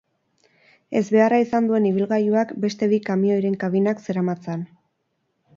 Ezbeharra izan duen ibilgailuak beste bi kamioiren kabinak zeramatzan.